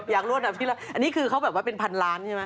อยากรู้อันดับที่ร้อยเท่าไหร่อันนี้คือเขาแบบว่าเป็นพันล้านใช่ไหม